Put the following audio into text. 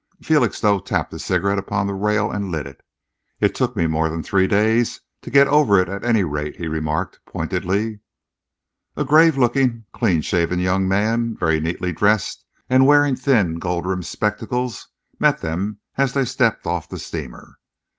Felixstowe tapped a cigarette upon the rail and lit it. "It took me more than three days to get over it, at any rate," he remarked pointedly. A grave looking, clean shaven young man, very neatly dressed and wearing thin, gold rimmed spectacles, met them as they stepped off the steamer.